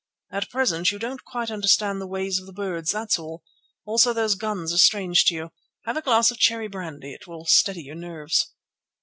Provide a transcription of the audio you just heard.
At present you don't quite understand the ways of the birds, that's all; also those guns are strange to you. Have a glass of cherry brandy; it will steady your nerves."